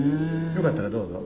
よかったらどうぞ。